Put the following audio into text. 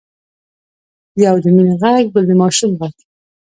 يو د مينې غږ بل د ماشوم غږ و.